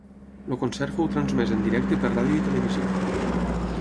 El concert fou transmès en directe per ràdio i televisió.